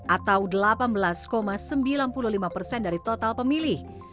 atau delapan belas sembilan puluh lima persen dari total pemilih